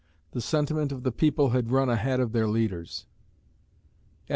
The sentiment of the people had run ahead of their leaders.